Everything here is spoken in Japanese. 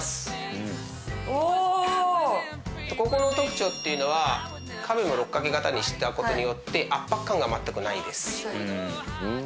うおここの特徴っていうのは壁も六角形にしたことによって圧迫感が全くないです